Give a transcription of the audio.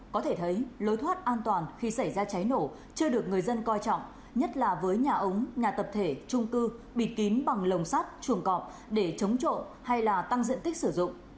có thể thấy lối thoát an toàn khi xảy ra cháy nổ chưa được người dân coi trọng nhất là với nhà ống nhà tập thể trung cư bịt kín bằng lồng sắt chuồng cọp để chống trộm hay là tăng diện tích sử dụng